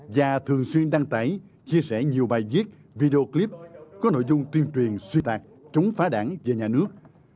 và thường xuyên đăng tải chia sẻ nhiều bài viết video clip có nội dung tuyên truyền sư tạc chống phá đảng và nhà nước